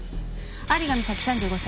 有賀美咲３５歳。